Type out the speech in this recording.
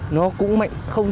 nó cũng mạnh không kém